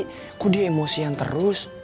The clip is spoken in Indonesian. kok dia emosian terus